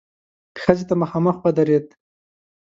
ښځې ته مخامخ ودرېد.